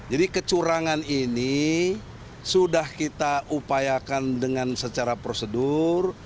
jadi kecurangan ini sudah kita upayakan dengan secara prosedur